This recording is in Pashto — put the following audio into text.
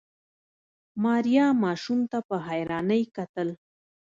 ماريا ماشوم ته په حيرانۍ کتل.